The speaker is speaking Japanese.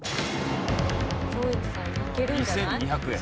２２００円。